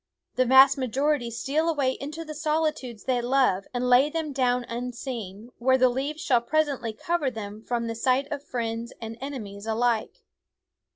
The vast majority steal away into the solitudes they love and lay them down unseen, where the leaves shall presently cover them from the sight of friends and enemies alike.